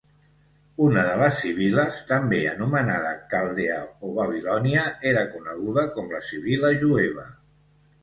Una de les sibil·les, també anomenada caldea o babilònia, era coneguda com la Sibil·la jueva.